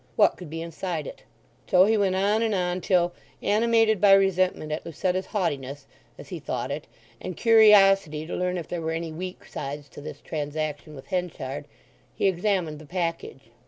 What could be inside it? So he went on and on till, animated by resentment at Lucetta's haughtiness, as he thought it, and curiosity to learn if there were any weak sides to this transaction with Henchard, he examined the package.